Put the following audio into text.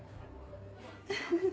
フフフ。